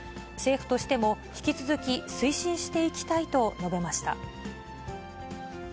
政府としても引き続き推進していきたいと述べました。